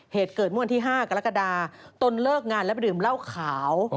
เหตุเกิดเมื่อวันที่๕กรกฎาตนเลิกงานแล้วไปดื่มเหล้าขาว